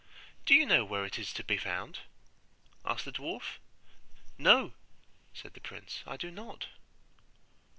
'Do you know where it is to be found?' asked the dwarf. 'No,' said the prince, 'I do not.